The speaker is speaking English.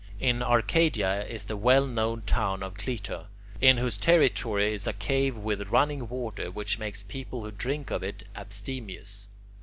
In Arcadia is the well known town of Clitor, in whose territory is a cave with running water which makes people who drink of it abstemious.